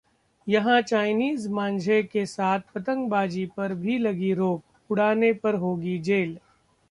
यहां चाइनीज मांझे के साथ पतंगबाजी पर भी लगी रोक, उड़ाने पर होगी जेल